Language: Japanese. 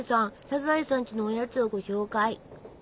サザエさんちのおやつをご紹介！